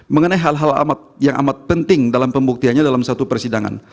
mengenai hal hal yang amat penting dalam pembuktiannya dalam satu persidangan